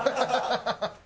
ハハハハ！